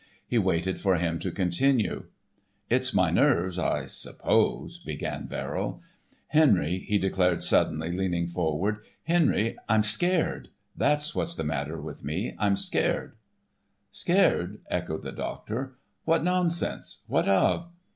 He waited for him to continue. "It's my nerves—I suppose," began Verrill. "Henry," he declared suddenly leaning forward, "Henry, I'm scared; that's what's the matter with me—I'm scared." "Scared," echoed the doctor, "What nonsense! What of?"